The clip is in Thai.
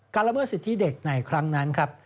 ละเมิดสิทธิเด็กในครั้งนั้นครับ